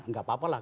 gak apa apa lah